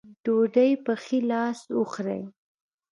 ډوډۍ پۀ ښي لاس وخورئ ـ